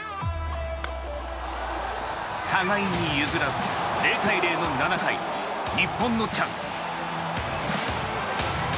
互いに譲らず０対０の７回日本のチャンス。